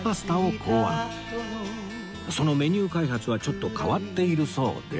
そのメニュー開発はちょっと変わっているそうで